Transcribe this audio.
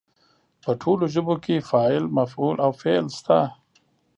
په ټولو ژبو کې فاعل، مفعول او فعل شته.